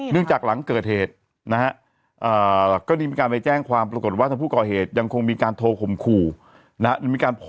เรื่องจากหลังเกิดเหตุนะฮะก็ได้มีการไปแจ้งความปรากฏว่าทางผู้ก่อเหตุยังคงมีการโทรข่มขู่นะฮะ